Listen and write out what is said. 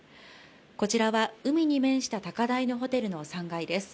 こちらは海に面した高台のホテルの３階です。